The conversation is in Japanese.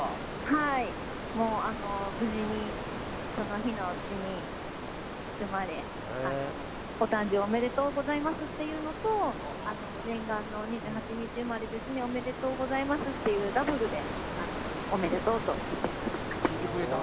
はい、無事にその日のうちに生まれご誕生おめでとうございますっていうのと念願の２８日生まれですねおめでとうございますというダブルでおめでとうと言っていただきました。